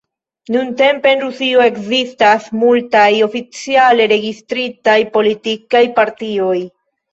Nuntempe en Rusio ekzistas multaj oficiale registritaj politikaj partioj.